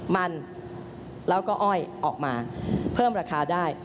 มันแล้วก็อ้อยออกมาเพิ่มราคาได้